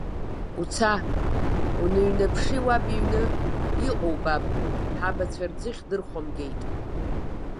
Уца, уныҩнаԥшы уаб иҩны, иҟоу убап, ҳабацәа рӡыхь дырхәамгеит.